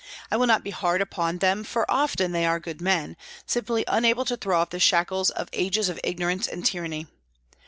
I will not be hard upon them, for often they are good men, simply unable to throw off the shackles of ages of ignorance and tyranny.